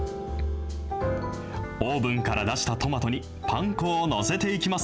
オーブンから出したトマトに、パン粉を載せていきます。